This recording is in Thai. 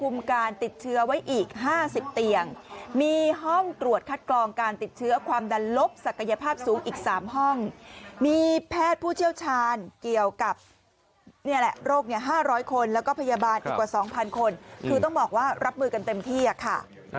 ๕๐เตียงมีห้องตรวจคัดกรองการติดเชื้อความดันลบศักยภาพสูงอีก๓ห้องมีแพทย์ผู้เชี่ยวชาญเกี่ยวกับนี่แหละโรค๕๐๐คนแล้วก็พยาบาลอีกกว่า๒๐๐คนคือต้องบอกว่ารับมือกันเต็มที่ค่ะ